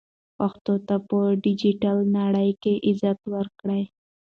پښتو ته په ډیجیټل نړۍ کې عزت ورکړئ.